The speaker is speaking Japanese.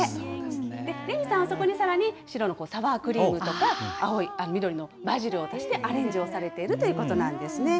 レミさんはそこにさらに白のサワークリームとか、緑のバジルを足してアレンジをされているということなんですね。